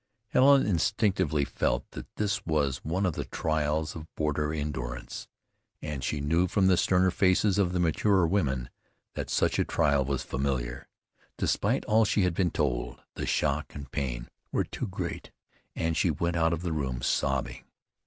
Helen instinctively felt that this was one of the trials of border endurance, and she knew from the sterner faces of the maturer women that such a trial was familiar. Despite all she had been told, the shock and pain were too great, and she went out of the room sobbing.